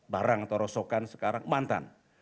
barang atau rosokan sekarang mantan